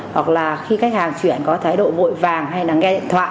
hoặc là khi khách hàng chuyển có thái độ vội vàng hay là nghe điện thoại